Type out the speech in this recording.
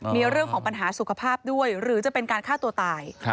มีเรื่องของปัญหาสุขภาพด้วยหรือจะเป็นการฆ่าตัวตาย